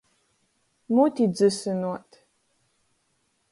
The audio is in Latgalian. Muti dzysynuot.